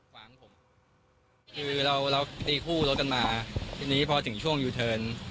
คือเราตีคู่รถกันมาทีนี้พอถึงช่วงยูเทิร์น